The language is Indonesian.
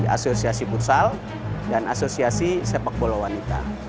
asosiasi futsal dan asosiasi sepak bola wanita